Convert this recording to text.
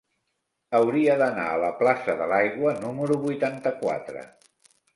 Hauria d'anar a la plaça de l'Aigua número vuitanta-quatre.